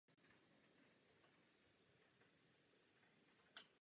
Mnozí z nich dojíždějí se svými exponáty do Žamberka z míst značně vzdálených.